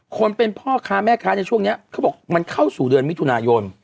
คนเป็นพ่อค้าแม่ค้าในช่วงนี้เขาบอกมันเข้าสู่เดือนมิถุนายน